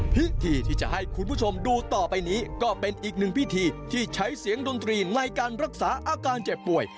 พิธีที่จะให้คุณผู้ชมดูต่อไปนี้ก็เป็นอีกหนึ่งพิธีที่ใช้เสียงดนตรีในการรักษาอาการเจ็บป่วย